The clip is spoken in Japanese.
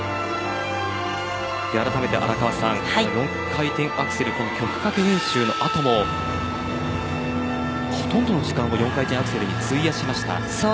あらためて、荒川さん４回転アクセル曲かけ練習の後もほとんどの時間を４回転アクセルに費やしました。